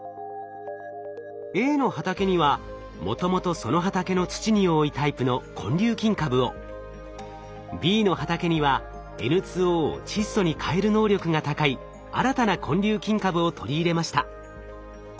Ａの畑にはもともとその畑の土に多いタイプの根粒菌株をＢの畑にはＮＯを窒素に変える能力が高い新たな根粒菌株を取り入れました。